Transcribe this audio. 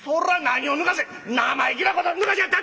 生意気なことぬかしやがって！」。